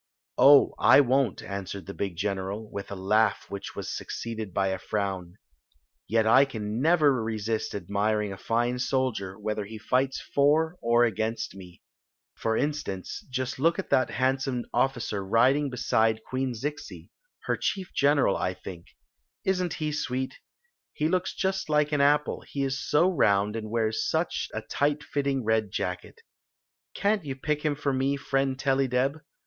"Oh, I won't!" answered the big general, with a laugh which was succeeded by a frown. " Yet I can never resist admiring a fine soldier, whether he fights for or against me. For instance, just look at that MAUilWMMIMWWBIIIWi MM mmm nMvnoMU iudddil ' imiTCHBO out hu lomo smm, Aa» handsome officer riding beside Queen Zixi — her chief general, I think. Is nt he sweet?. He looks just like an apple, he is so round and wears such a tight fitting red jacket Can't you pick hira for me, friend Tellydeb?"